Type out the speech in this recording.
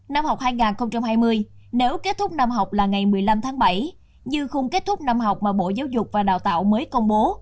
năm học hai nghìn hai mươi nếu kết thúc năm học là ngày một mươi năm tháng bảy như khung kết thúc năm học mà bộ giáo dục và đào tạo mới công bố